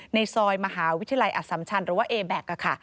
ในซอยมหาวิทยาลัยอสัมชันหรือว่าเอแบ็คค่ะ